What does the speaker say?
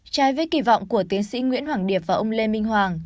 trái với kỳ vọng của tiến sĩ nguyễn hoàng điệp và ông lê minh hoàng